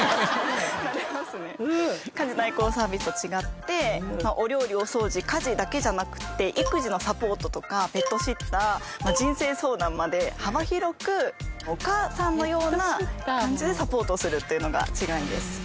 家事代行サービスと違ってお料理お掃除家事だけじゃなくて育児のサポートとかペットシッター人生相談まで幅広くお母さんのような感じでサポートするというのが違いです。